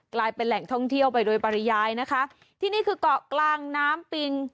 กลายเป็นแหล่งท่องเที่ยวไปโดยปริยายนะคะที่นี่คือเกาะกลางน้ำปิง